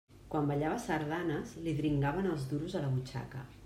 Quan ballava sardanes li dringaven els duros a la butxaca.